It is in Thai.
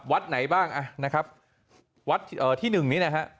วัดไหนบ้างอ่ะนะครับวัดที่หนึ่งนี้นะฮะ